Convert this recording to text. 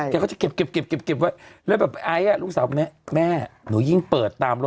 ใช่ค่ะค่ะค่ะทุกเรื่องถูกต้องไหมล่ะ